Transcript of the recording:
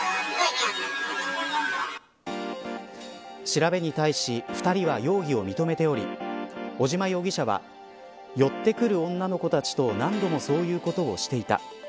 調べに対し２人は容疑を認めており尾島容疑者は寄ってくる女の子たちと何度もそういうことをしていた。